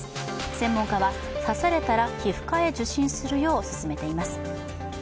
専門家は刺されたら皮膚科を受診するよう勧めています。